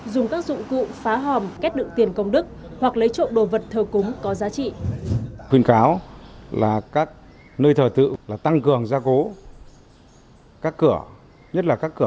bán hòm kết nựng tiền công đức hoặc lấy trộm đồ vật thờ cúng có giá trị